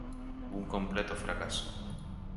Un completo fracaso.